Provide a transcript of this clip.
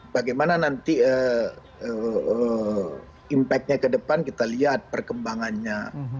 bagaimana nanti impactnya kedepan kita lihat perkembangannya